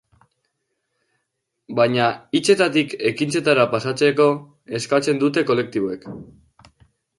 Baina hitzetatik ekintzetara pasatzeko eskatzen dute kolektiboek.